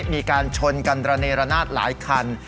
มีการชนกันระเนรนาศหลายคัน